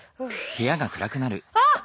あっ！